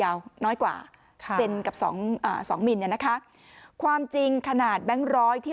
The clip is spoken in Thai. ยาวน้อยกว่าโอเคสองสองมีแล้วนะคะความจริงขนาดแบงค์ร้อยที่